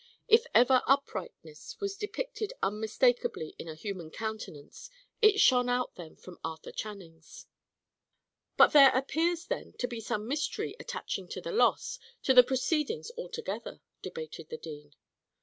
If ever uprightness was depicted unmistakably in a human countenance, it shone out then from Arthur Channing's. "But there appears, then, to be some mystery attaching to the loss, to the proceedings altogether," debated the dean.